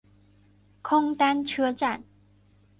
空丹车站。